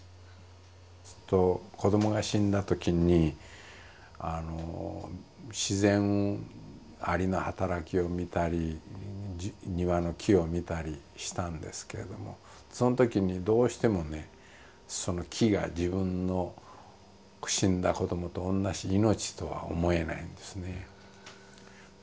ずっと子どもが死んだときに自然アリの働きを見たり庭の木を見たりしたんですけれどもそのときにどうしてもねその木が自分の死んだ子どもと同じ命とは思えないんですね。